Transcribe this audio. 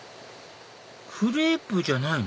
クレープじゃないの？